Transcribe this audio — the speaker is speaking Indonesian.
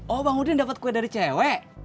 oh bangudin dapet kue dari cewek